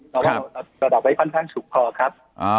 เราระดับไว้ค่อนข้างสูงพอครับ